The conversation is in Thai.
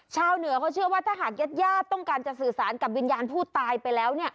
ชาวเหนือเขาเชื่อว่าถ้าหากญาติญาติต้องการจะสื่อสารกับวิญญาณผู้ตายไปแล้ว